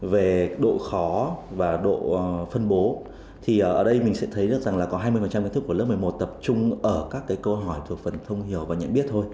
về độ khó và độ phân bố thì ở đây mình sẽ thấy được rằng là có hai mươi kiến thức của lớp một mươi một tập trung ở các cái câu hỏi thuộc phần thông hiểu và nhận biết thôi